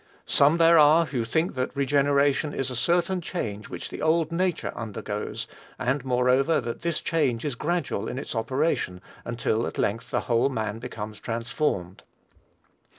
Some there are, who think that regeneration is a certain change which the old nature undergoes; and, moreover, that this change is gradual in its operation, until at length the whole man becomes transformed.